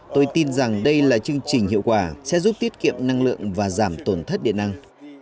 tôi tin rằng đây là chương trình hiệu quả sẽ giúp tiết kiệm năng lượng và giảm tổn thất điện năng